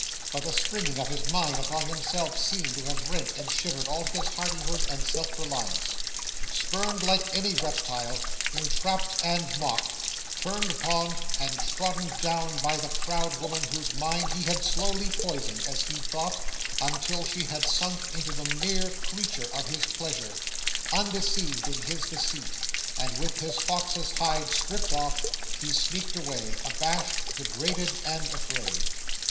But the springing of his mine upon himself, seemed to have rent and shivered all his hardihood and self reliance. Spurned like any reptile; entrapped and mocked; turned upon, and trodden down by the proud woman whose mind he had slowly poisoned, as he thought, until she had sunk into the mere creature of his pleasure; undeceived in his deceit, and with his fox's hide stripped off, he sneaked away, abashed, degraded, and afraid.